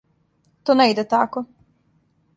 То не иде тако!